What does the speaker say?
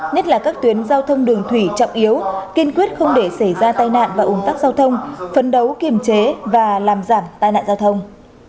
nhất là các tuyến giao thông đường thủy trọng yếu kiên quyết không để xảy ra tai nạn và ủng tắc giao thông phấn đấu kiềm chế và làm giảm tai nạn giao thông